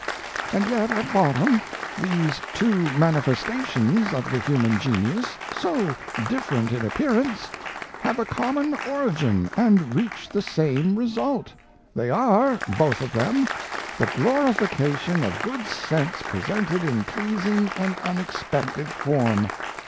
And yet, at bottom, these two manifestations of the human genius, so different in appearance, have a common origin and reach the same result: they are, both of them, the glorification of good sense presented in pleasing and unexpected form.